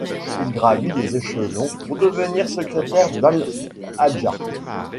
Il gravit les échelons pour devenir secrétaire d'al-Hajjaj.